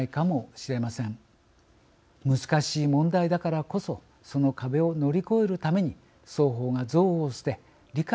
難しい問題だからこそその壁を乗り越えるために双方が憎悪を捨て理解しようとする姿勢が必要です。